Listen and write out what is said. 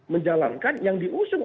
menjalankan yang diusung